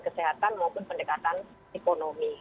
kesehatan maupun pendekatan ekonomi